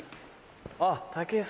あっ。